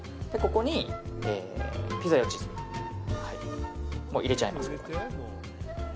ここにピザ用チーズ入れちゃいます。